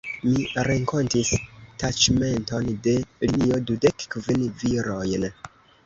Mi renkontis taĉmenton de linio: dudek kvin virojn.